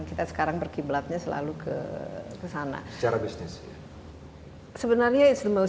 kita sekarang berkiblatnya selalu ke sana secara bisnis sebenarnya itu